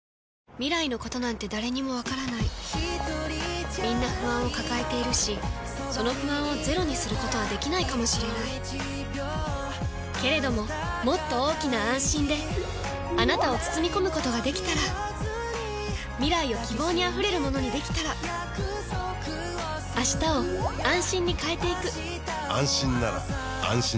未来のことなんて誰にもわからないみんな不安を抱えているしその不安をゼロにすることはできないかもしれないけれどももっと大きな「あんしん」であなたを包み込むことができたら未来を希望にあふれるものにできたら変わりつづける世界に、「あんしん」を。